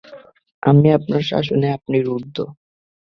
আমি আপনার শাসনে আপনি রুদ্ধ।